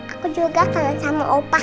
aku juga kayak sama opa